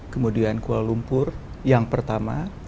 kemudian kuala lumpur yang pertama